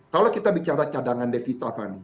kalau kita bicara cadangan devisa fani